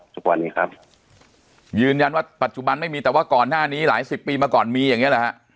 ทุกวันนี้ครับยืนยันว่าปัจจุบันไม่มีแต่ว่าก่อนหน้านี้หลายสิบปีมาก่อนมีอย่างเงี้แหละฮะ